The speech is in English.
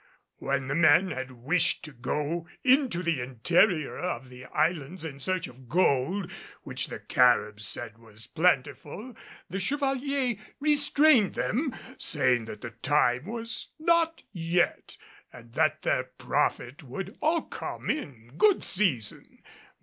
When the men had wished to go into the interior of the islands in search of gold, which the Caribs said was plentiful, the Chevalier restrained them, saying that the time was not yet and that their profit would all come in good season.